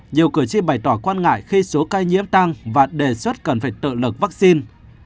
nhiều cử tri bày tỏ quan ngại khi số ca nhiễm tăng và đề xuất cần phải tự lực vaccine